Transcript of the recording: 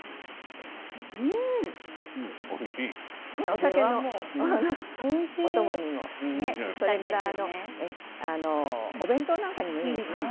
お酒のお供にもお弁当なんかにも、いいですね。